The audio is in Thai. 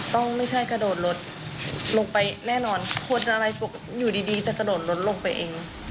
ไม่ใช่กระโดดรถลงไปแน่นอนคนอะไรปกติอยู่ดีจะกระโดดรถลงไปเอง